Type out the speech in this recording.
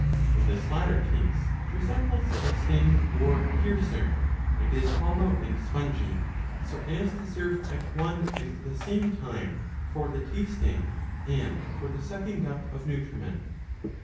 In this latter case it resembles a sting or piercer, and is hollow and spongy, so as to serve at one and the same time for 661a. 56 ii. 17. the tasting and for the sucking up of nutriment.